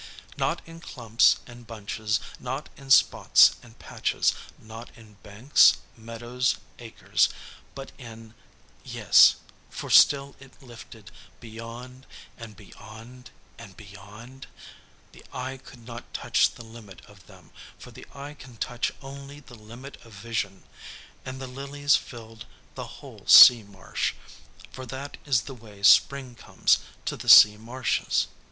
Not in clumps and bunches, not in spots and patches, not in banks, meadows, acres, but in yes; for still it lifted beyond and beyond and beyond; the eye could not touch the limit of them, for the eye can touch only the limit of vision; and the lilies filled the whole sea marsh, for that is the way spring comes to the sea marshes.